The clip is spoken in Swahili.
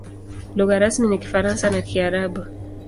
Lugha rasmi ni Kifaransa na Kiarabu.